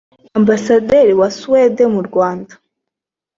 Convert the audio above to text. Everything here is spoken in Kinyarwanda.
Ambasaderi wa Suède mu Rwanda